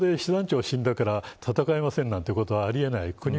船長で師団長が死んだから戦えません、ということはありえない。